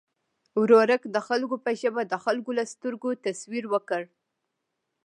ورورک د خلکو په ژبه د خلکو له سترګو تصویر ورکړ.